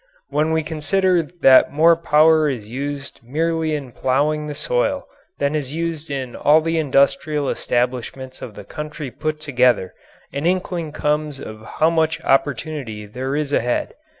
When we consider that more power is used merely in ploughing the soil than is used in all the industrial establishments of the country put together, an inkling comes of how much opportunity there is ahead.